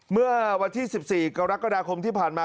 เมื่อวันที่๑๔กรกฎาคมที่ผ่านมา